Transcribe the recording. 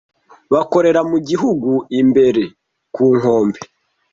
bakorera mu gihugu imbere ku nkombe